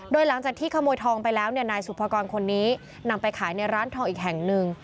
โดยหลังจากที่ขโมยทองไปแล้วเนี่ยนายสุภกรคนนี้นำไปขายในร้านทองอีกแห่งหนึ่ง